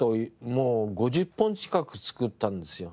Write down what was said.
もう５０本近く作ったんですよ。